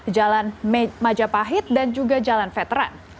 jalan majapahit dan juga jalan veteran